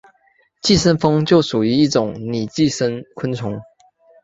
寄生蜂就属于一种拟寄生昆虫。